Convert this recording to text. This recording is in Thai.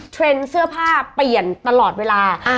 เทรนด์เสื้อผ้าเปลี่ยนตลอดเวลา